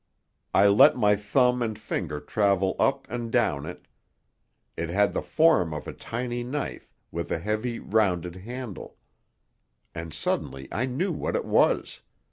I let my thumb and finger travel up and down it. It had the form of a tiny knife, with a heavy, rounded handle. And suddenly I knew what it was.